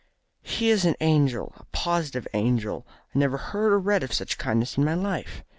"He is an angel a positive angel. I never heard or read of such kindness in my life.